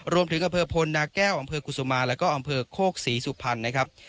อำเภอพลนาแก้วอำเภอกุศุมาแล้วก็อำเภอโคกศรีสุพรรณนะครับ